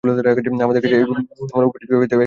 আমাদের কাছে এই মামলার উপযুক্ত একটি এফআইআর আছে।